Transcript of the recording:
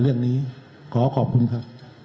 เรื่องนี้ขอขอบคุณครับ